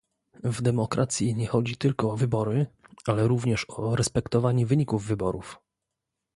W demokracji nie chodzi tylko o wybory, ale również o respektowanie wyników wyborów